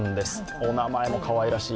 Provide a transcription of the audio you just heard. お名前もかわいらしい。